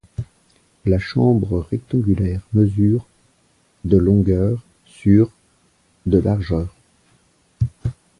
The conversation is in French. La chambre rectangulaire mesure de longueur sur de largeur.